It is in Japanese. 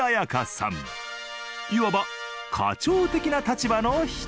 いわば課長的な立場の人。